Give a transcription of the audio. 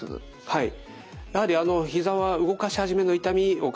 はい。